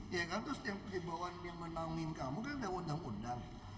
ya kan terus yang menangin kamu kan ada undang undang